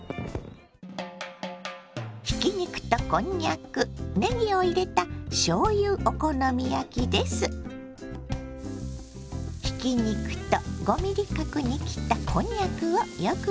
ひき肉とこんにゃくねぎを入れたひき肉と５ｍｍ角に切ったこんにゃくをよく炒めます。